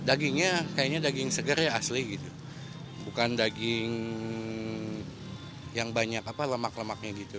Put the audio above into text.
dagingnya kayaknya daging segar ya asli gitu bukan daging yang banyak apa lemak lemaknya gitu